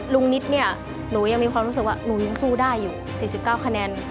ลุ้มนิสเนี่ยหลุยอมมิพอรมจะวาดดูว่านั้นอยู่๔๙คะแนน